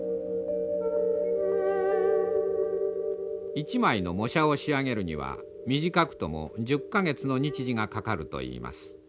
一枚の模写を仕上げるには短くとも１０か月の日時がかかるといいます。